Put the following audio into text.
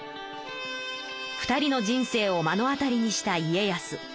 ２人の人生をまのあたりにした家康。